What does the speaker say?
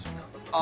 あ